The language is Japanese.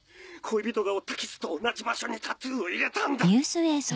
恋人が負った傷と同じ場所にタトゥーを入れたんだ。